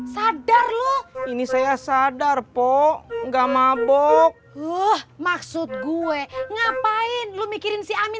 sadar lo ini saya sadar po nggak mabok lo maksud gue ngapain lu mikirin si amin